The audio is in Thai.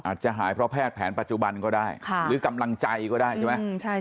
อาจจะหายเพราะแพทย์แผนปัจจุบันก็ได้หรือกำลังใจก็ได้ใช่ไหม